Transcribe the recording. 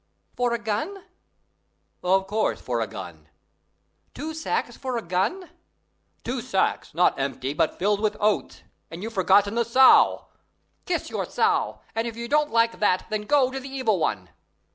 "For a gun?" "Of course, for a gun." "Two sacks for a gun?" "Two sacks, not empty, but filled with oats; and you've forgotten the sow." "Kiss your sow; and if you don't like that, then go to the Evil One!"